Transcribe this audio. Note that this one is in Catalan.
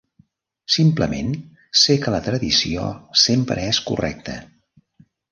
Simplement sé que la Tradició sempre és correcta.